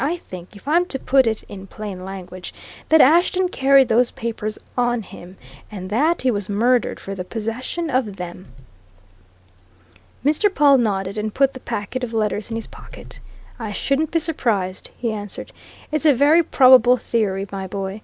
"I think if I'm to put it in plain language that Ashton carried those papers on him, and that he was murdered for the possession of them!" Mr. Pawle nodded, and put the packet of letters in his pocket. "I shouldn't be surprised," he answered. "It's a very probable theory, my boy.